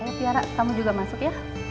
ayo tiara kamu juga masuk ya